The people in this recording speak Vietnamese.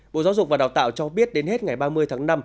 bộ giáo dục và đào tạo cho biết đến hết ngày ba mươi tháng năm